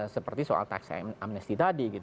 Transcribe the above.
seperti soal taksi amnesti tadi